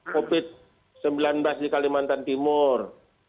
covid sembilan belas di kalimantan timur